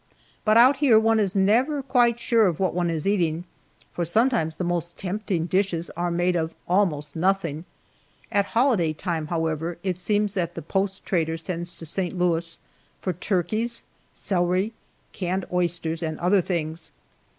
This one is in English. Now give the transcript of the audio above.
But out here one is never quite sure of what one is eating, for sometimes the most tempting dishes are made of almost nothing. At holiday time, however, it seems that the post trader sends to St. Louis for turkeys, celery, canned oysters, and other things.